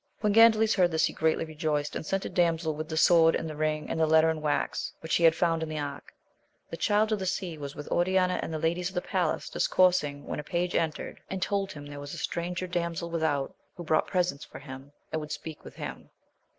When Gandales heard this, he greatly rejoiced ; and sent a damsel with the sword, and the ring, and the letter in the wax, which he had found in the ark. The Child of the Sea was with Oriana and the ladies of the palace, discoursing, w\ieiL ^»^^^ eYvX^^x^^L^ ^yxA AMADIS OF GAUL. 29 told him there was a stranger damsel without, who brought presents for him, and would speak with him.